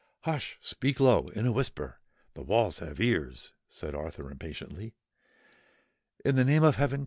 "Hush! speak low—in a whisper—the walls have ears!" said Arthur impatiently. "In the name of heaven!